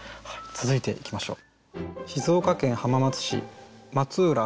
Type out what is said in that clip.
続いていきましょう。